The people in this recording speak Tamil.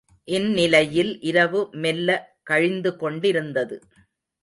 இந்நிலையில் இரவு மெல்ல கழிந்து கொண்டிருந்தது.